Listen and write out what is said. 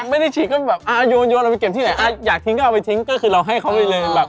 ไม่ได้ฉีกก็แบบอ่าหยนไว้เก็บที่ไหนอ่าอยากถึงเอาไปถึงเราคือให้เค้าไปเลยแบบ